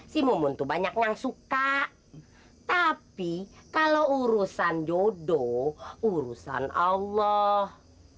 simuntu banyak yang suka tapi kalau urusan jodoh urusan allah